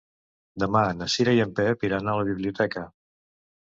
Demà na Cira i en Pep iran a la biblioteca.